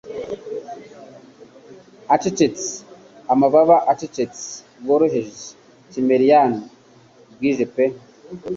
Acecetse amababa acecetse bworoheje Kimmerian bwije pe